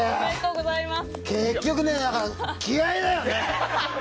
結局ね、気合いだよね！